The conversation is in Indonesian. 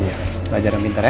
iya belajar yang pintar ya